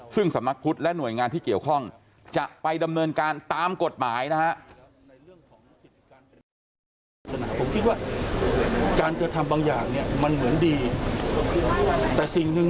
ซึ่งสำนักพุทธและหน่วยงานที่เกี่ยวข้องจะไปดำเนินการตามกฎหมายนะฮะ